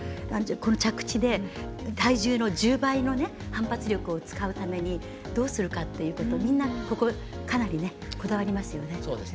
着地で体重の１０倍の反発力を使うためにどうするかということをみんな、かなりこだわりますね。